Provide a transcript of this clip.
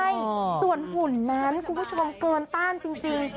ใช่ส่วนหุ่นนั้นคุณผู้ชมเกินต้านจริง